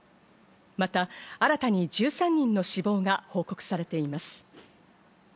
また新たに１３人の死亡が報告されています。